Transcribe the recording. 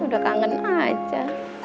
udah kangen aja